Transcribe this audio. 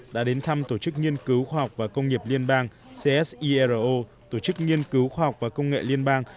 đã đến thăm tổ chức nghiên cứu khoa học và công nghiệp liên bang csiro tổ chức nghiên cứu khoa học và công nghệ liên bang